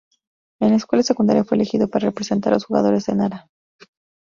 En la escuela secundaria fue elegido para representar a los jugadores de Nara.